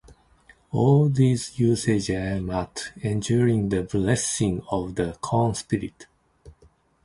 All these usages aim at ensuring the blessing of the corn-spirit.